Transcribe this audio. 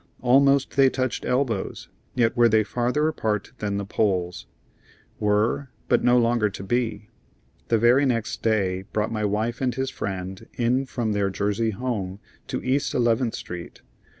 Almost they touched elbows, yet were they farther apart than the poles. Were, but no longer to be. The very next day brought my friend and his wife in from their Jersey home to East Eleventh Street.